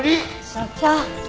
所長。